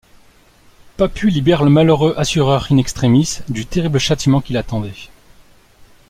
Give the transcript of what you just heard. Papu libère le malheureux assureur in extremis du terrible châtiment qui l'attendait.